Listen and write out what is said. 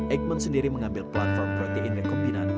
eijkman sendiri mengambil platform protein rekombinant